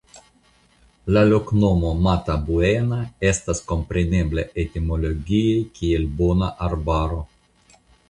La loknomo "Matabuena" estas komprenebla etimologie kiel Bona Arbaro.